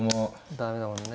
駄目だもんね。